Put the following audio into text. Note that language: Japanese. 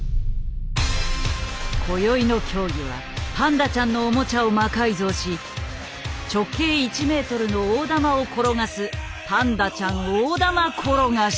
こよいの競技はパンダちゃんのオモチャを魔改造し直径１ｍの大玉を転がす「パンダちゃん大玉転がし」。